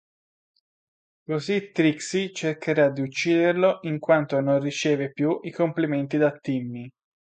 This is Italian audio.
Così Trixie cercherà di ucciderlo in quanto non riceve più i complimenti da Timmy.